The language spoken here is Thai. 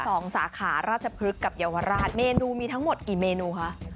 สาขาราชพฤกษ์กับเยาวราชเมนูมีทั้งหมดกี่เมนูคะ